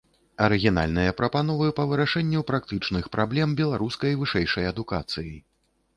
Арыгінальныя прапановы па вырашэнню практычных праблем беларускай вышэйшай адукацыі.